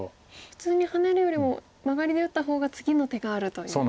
普通にハネるよりもマガリで打った方が次の手があるという。